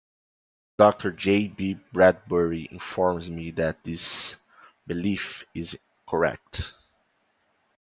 Dr. J. B. Bradbury informs me that this belief is correct.